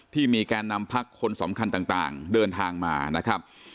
มีการนำพักคนสำคัญต่างเดินทางมานะครับ